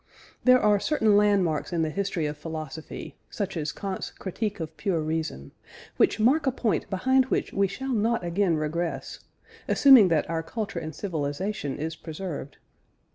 There are certain landmarks in the history of philosophy such as Kant's Critique of Pure Reason which mark a point behind which we shall not again regress (assuming that our culture and civilisation is preserved).